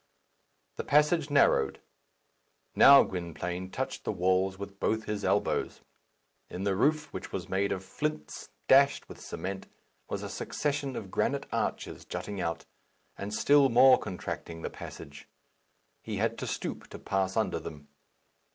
The passage narrowed. Now Gwynplaine touched the walls with both his elbows. In the roof, which was made of flints, dashed with cement, was a succession of granite arches jutting out, and still more contracting the passage. He had to stoop to pass under them.